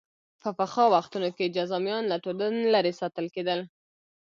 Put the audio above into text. په پخوا وختونو کې جذامیان له ټولنې لرې ساتل کېدل.